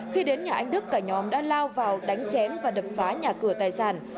khi đến nhà anh đức cả nhóm đã lao vào đánh chém và đập phá nhà cửa tài sản